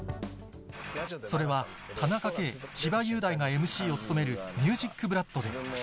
それは、田中圭、千葉雄大がＭＣを務めるＭＵＳＩＣＢＬＯＯＤで。